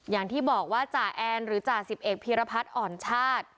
อย่างที่บอกว่าจ่าแอนหรือจ่าสิบเอกพีรพัฒน์อ่อนชาติ